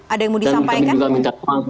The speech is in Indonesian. ada yang mau disampaikan